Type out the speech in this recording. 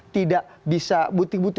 tidak bisa bukti bukti